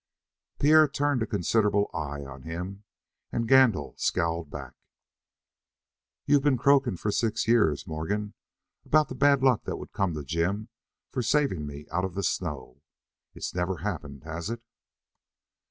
Pierre turned a considerable eye on him, and Gandil scowled back. "You've been croaking for six years, Morgan, about the bad luck that would come to Jim from saving me out of the snow. It's never happened, has it?"